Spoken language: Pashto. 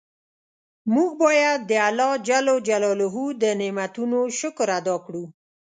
مونږ باید د الله ج د نعمتونو شکر ادا کړو.